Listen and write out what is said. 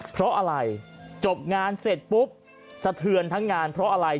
เพราะอะไรจบงานเสร็จปุ๊บสะเทือนทั้งงานเพราะอะไร